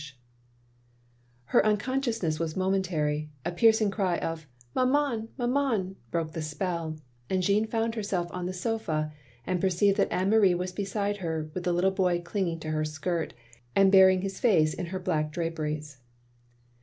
334 THE LONELY LADY Her unconsciousness was momentary ; a piercing cry of "Maman, Maman," broke the spell, and Jeanne found herself on the sofa, and perceived that Anne Marie was beside her, with the little boy clinging to her skirt, and burying his face in her black draperies.